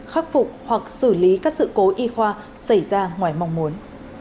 khắc phục hoặc xử lý các sự cố y khoa xảy ra ngoài mong muốn